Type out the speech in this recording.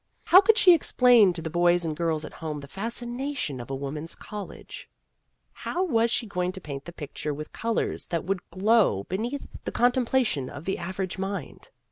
How could she explain to the boys and girls at home the fascina tions of a woman's college ? How was she going to paint the picture with colors that would glow beneath the contempla tion of the average mind